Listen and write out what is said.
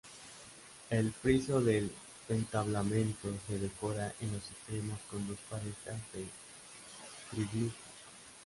El friso del entablamento se decora en los extremos con dos parejas de triglifos.